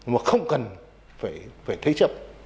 mà không cần phải thấy chấp